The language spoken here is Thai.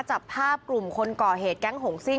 จับภาพกลุ่มคนก่อเหตุแก๊งหงซิ่ง